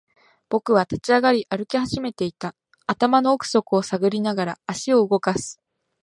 僕は立ち上がり、歩き始めていた。頭の奥底を探りながら、足を動かす。